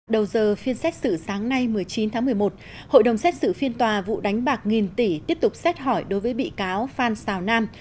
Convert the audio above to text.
đầu giờ phiên xét xử sáng nay một mươi chín tháng một mươi một hội đồng xét xử phiên tòa vụ đánh bạc nghìn tỷ tiếp tục xét hỏi đối với bị cáo phan xào nam